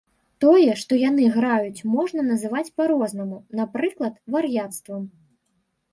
Тое, што яны граюць, можна называць па-рознаму, напрыклад, вар'яцтвам.